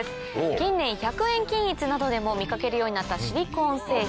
近年百円均一などでも見かけるようになったシリコーン製品。